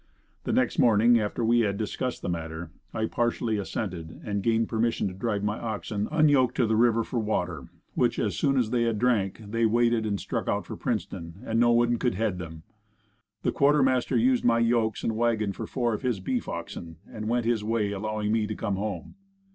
The next morning after we had again discussed the matter, I partially assented and gained permission to drive my oxen unyoked to the river for water, which, as soon as they had drank, they waded and struck out for Princeton and no one could head them. The quartermaster then used my yokes and wagon for four of his beef oxen and went his way allowing me to come home.